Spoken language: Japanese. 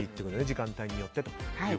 時間帯によっては。